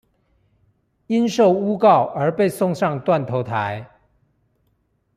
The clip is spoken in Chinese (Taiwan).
因受誣告而被送上斷頭臺